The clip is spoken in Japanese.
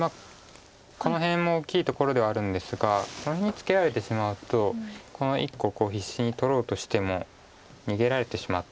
この辺も大きいところではあるんですがこの辺にツケられてしまうとこの１個を必死に取ろうとしても逃げられてしまって。